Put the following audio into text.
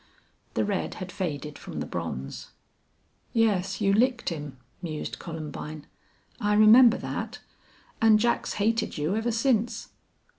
The red had faded from the bronze. "Yes, you licked him," mused Columbine. "I remember that. And Jack's hated you ever since."